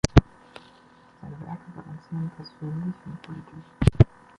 Seine Werke balancieren persönlich und politisch.